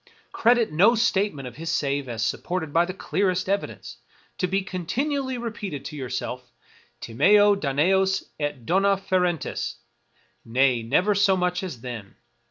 Credit no statement of his save as supported by the clearest evidence; be continually repeating to yourself, " Timeo Danaos et dona ferentes," — nay, never so much as then.